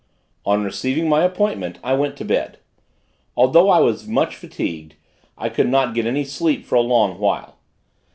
On receiving my appointment, I went to bed. Although I was much fatigued, I could not get any sleep for a long while.